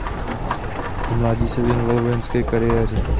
V mládí se věnoval vojenské kariéře.